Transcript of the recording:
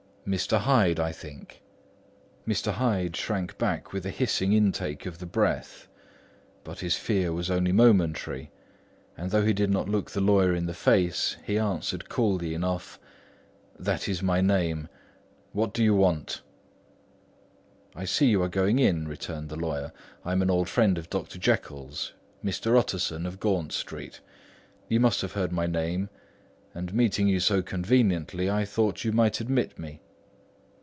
"Mr. Hyde, I think?" Mr. Hyde shrank back with a hissing intake of the breath. But his fear was only momentary; and though he did not look the lawyer in the face, he answered coolly enough: "That is my name. What do you want?" "I see you are going in," returned the lawyer. "I am an old friend of Dr. Jekyll's—Mr. Utterson of Gaunt Street—you must have heard of my name; and meeting you so conveniently, I thought you might admit me."